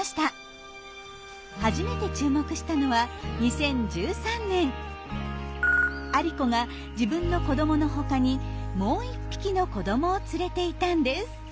初めて注目したのはアリコが自分の子どもの他にもう１匹の子どもを連れていたんです。